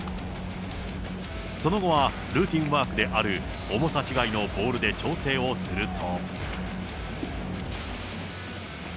その後は、ルーティンワークである重さ違いのボールで調整をすると。